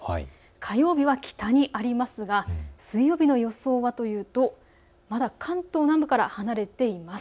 火曜日は北にありますが水曜日の予想はというとまだ関東南部から離れています。